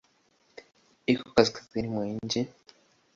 Iko kaskazini mwa nchi.